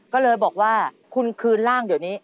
ก็เลยบอกว่าคุณคืนร่างเดี๋ยวนี้